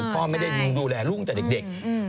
พ่อไม่ได้ดูแลลูกตั้งแต่เด็ก